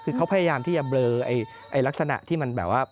คือเขาพยายามที่จะเบลอลักษณะที่มันแบบว่า